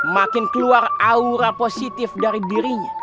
makin keluar aura positif dari dirinya